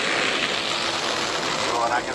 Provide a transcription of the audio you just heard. واه! د دمشویو وریجو بوی